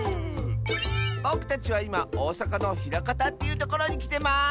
ぼくたちはいまおおさかのひらかたっていうところにきてます！